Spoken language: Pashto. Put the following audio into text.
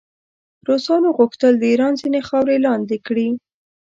روسانو غوښتل د ایران ځینې خاورې لاندې کړي.